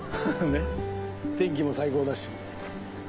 ねっ天気も最高だし。